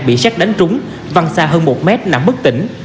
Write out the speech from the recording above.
bị xét đánh trúng văng xa hơn một mét là bất tỉnh